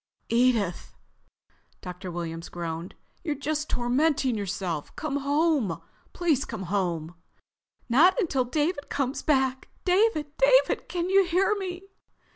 "Edith," Dr. Williams groaned. "You're just tormenting yourself. Come home. Please come home." "Not until David has come back.... David, David, can you hear me?"